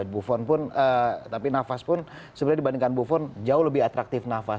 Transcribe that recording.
buffon pun tapi nafas pun sebenarnya dibandingkan buffon jauh lebih atraktif nafas